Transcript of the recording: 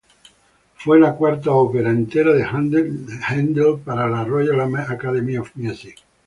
Fue la cuarta ópera entera de Händel para la Royal Academy of Music.